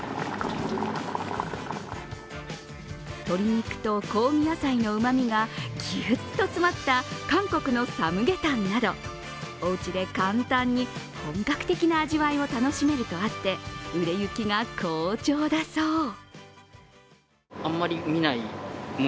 鶏肉と香味野菜のうまみがぎゅっと詰まった韓国のサムゲタンなどおうちで簡単に本格的な味わいを楽しめるとあって売れ行きが好調だそう。